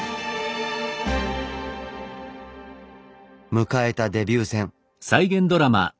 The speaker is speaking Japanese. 迎えたデビュー戦。